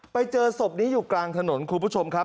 ไปเจอศพนี้อยู่กลางถนนคุณผู้ชมครับ